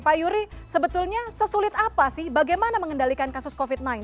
pak yuri sebetulnya sesulit apa sih bagaimana mengendalikan kasus covid sembilan belas